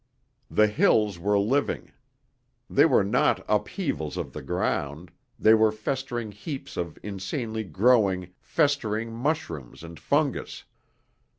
The hills were living. They were not upheavals of the ground, they were festering heaps of insanely growing, festering mushrooms and fungus.